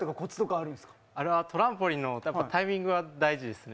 あれはトランポリンのタイミングが大事ですね。